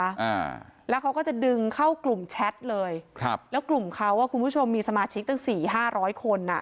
อ่าแล้วเขาก็จะดึงเข้ากลุ่มแชทเลยครับแล้วกลุ่มเขาอ่ะคุณผู้ชมมีสมาชิกตั้งสี่ห้าร้อยคนอ่ะ